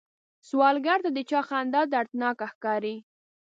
سوالګر ته د چا خندا دردناکه ښکاري